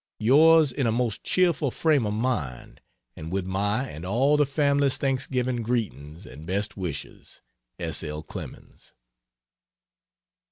Yours in a most cheerful frame of mind, and with my and all the family's Thanksgiving greetings and best wishes, S. L. CLEMENS.